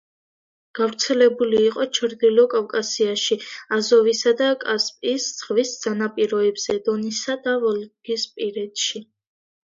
გავრცელებული იყო ჩრდილოკავკასიაში, აზოვისა და კასპიის ზღვის სანაპიროებზე, დონისა და ვოლგისპირეთში.